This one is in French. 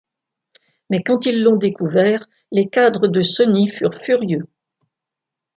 Mais quand ils l'ont découvert, les cadres de Sony furent furieux.